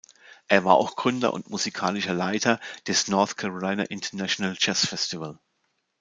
Er war auch Gründer und musikalischer Leiter des "North Carolina International Jazz Festival".